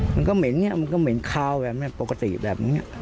มันก็เหม็นเนี่ยมันก็เหม็นคาวแบบนี้ปกติแบบนี้